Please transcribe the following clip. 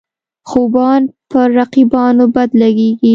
خوبان پر رقیبانو بد لګيږي.